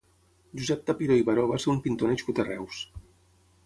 Josep Tapiró i Baró va ser un pintor nascut a Reus.